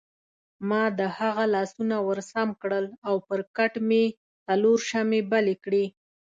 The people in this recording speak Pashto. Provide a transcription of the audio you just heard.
ما د هغه لاسونه ورسم کړل او پر کټ مې څلور شمعې بلې کړې.